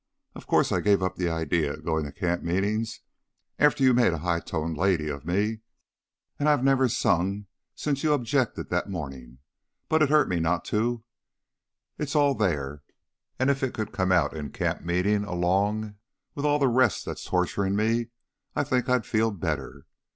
Of course I gave up the idea of going to camp meetings after you made a high toned lady of me, and I've never sung since you objected that morning; but it's hurt me not to it's all there; and if it could come out in camp meeting along with all the rest that's torturing me, I think I'd feel better.